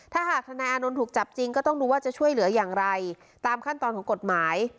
ถ้าหากธนายอานนท์ถูกจับจริงก็ต้องดูว่าจะช่วยเหลืออย่างไรตามขั้นตอนของกฎหมาย